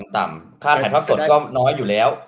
ต่ำค่าถ่ายท่อส่นก็น้อยอยู่แล้ว